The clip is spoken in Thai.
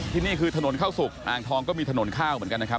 นี่คือถนนข้าวสุกอ่างทองก็มีถนนข้าวเหมือนกันนะครับ